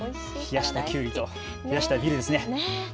冷やしたきゅうりとビールですね。